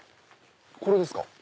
これですか？